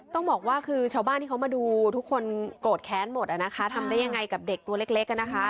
ต้องบอกว่าคือชาวบ้านที่เขามาดูทุกคนโกรธแค้นหมดนะคะทำได้ยังไงกับเด็กตัวเล็ก